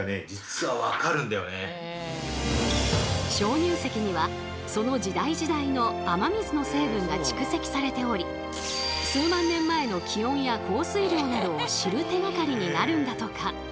鍾乳石にはその時代時代の雨水の成分が蓄積されており数万年前の気温や降水量などを知る手がかりになるんだとか。